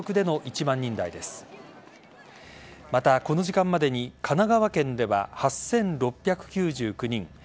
この時間までに神奈川県では８６９９人